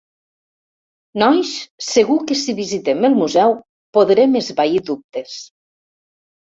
Nois, segur que si visitem el museu podrem esvair dubtes.